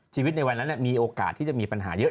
ในวันนั้นมีโอกาสที่จะมีปัญหาเยอะ